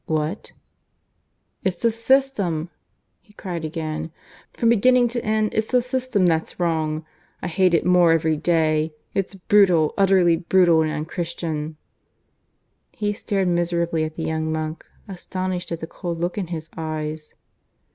"What?" "It's the system," he cried again. "From beginning to end it's the system that's wrong. I hate it more every day. It's brutal, utterly brutal and unchristian." He stared miserably at the young monk, astonished at the cold look in his eyes.